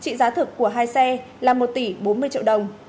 trị giá thực của hai xe là một tỷ bốn mươi triệu đồng